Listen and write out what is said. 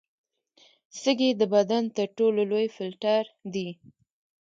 سږي د بدن تر ټولو لوی فلټر دي.